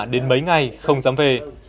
đến mấy ngày không dám về